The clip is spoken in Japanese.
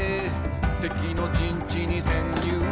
「敵の陣地に潜入」